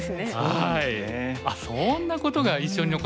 はい。